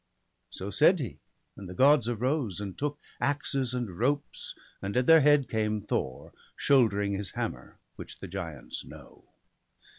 So said he; and the Gods arose, and took Axes and ropes, and at their head came Thor, Shouldering his hammer, which the giants know.